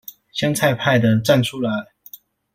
香菜派的站出來